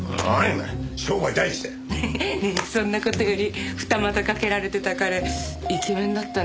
ねえそんな事より二股かけられてた彼イケメンだったね。